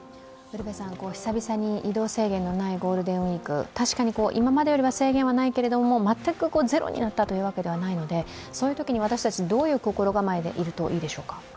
久々に移動制限のないゴールデンウイーク、確かに今までよりは制限はないけれども全くゼロになったというわけではないので、そういうときに私たち、どういう心構えでいるといいでしょうか。